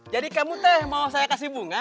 jadi kamu teh mau saya kasih bunga